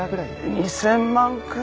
２０００万くらい。